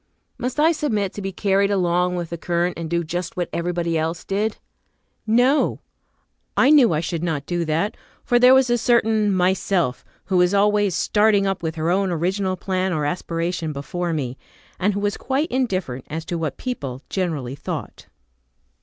Must I submit to be carried along with the current, and do just what everybody else did? No: I knew I should not do that, for there was a certain Myself who was always starting up with her own original plan or aspiration before me, and who was quite indifferent as to what people, generally thought.